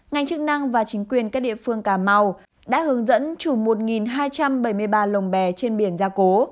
ngành chức năng và chính quyền các địa phương cà mau đã hướng dẫn chủ một hai trăm bảy mươi ba lồng bè trên biển gia cố